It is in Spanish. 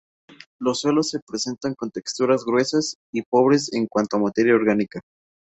Los suelos se presentan con texturas gruesas y pobres en cuanto a materia orgánica.